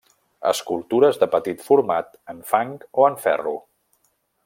Escultures de petit format en fang o en ferro.